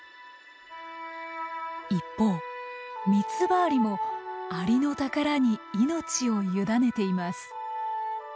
一方ミツバアリもアリノタカラに命を委ねています。